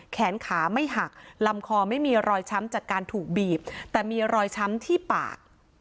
แขนขาไม่หักลำคอไม่มีรอยช้ำจากการถูกบีบแต่มีรอยช้ำที่ปาก